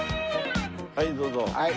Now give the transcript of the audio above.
はいどうぞ。